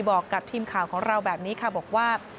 บอกกับทีมข่าวของเราแบบนี้ค่ะบอกว่า